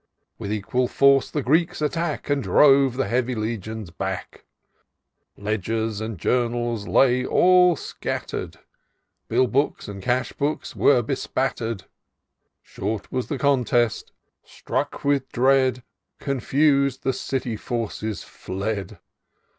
With equal force the Greeks attack, And drive the heavy legions back : 328 TOUR OF DOCTOR SYNTAX Ledgers and Journals lay all scatter'd; BiU Books and Cash Books were bespatter d Short was the contest ; struck with dread, Confus'd the City forces fled.